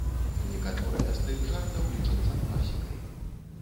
Некаторыя з тых жартаў лічацца класікай.